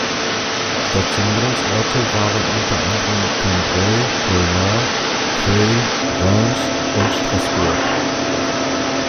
Stationierungsorte waren unter anderem Cambrai, Colmar, Creil, Reims und Straßburg.